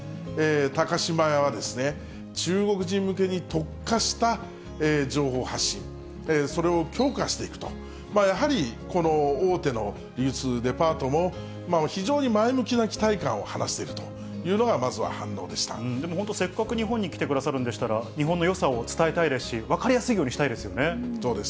高島屋は、中国人向けに特化した情報発信、それを強化していくと、やはり、この大手の流通デパートも、非常に前向きな期待感を話していでも本当、せっかく日本に来てくださるんですから、日本のよさを伝えたいですし、分かりやすいようにしたいですね。